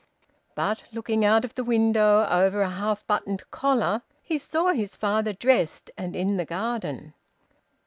But, looking out of the window over a half buttoned collar, he saw his father dressed and in the garden.